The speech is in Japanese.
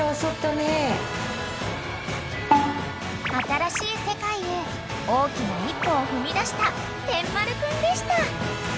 ［新しい世界へ大きな一歩を踏み出した天丸君でした］